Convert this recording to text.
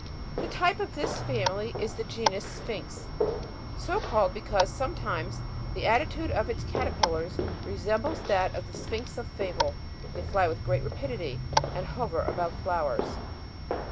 The type of this family is the genus Sphinx, so called, because sometimes the attitude of its caterpillar resembles that of the sphinx of fable ; they fly with great rapidity and hover above flowers.